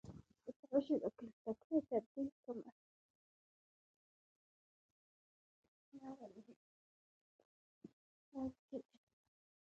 د پښتو ژبي مطالعه د ذکاوت نښه ده.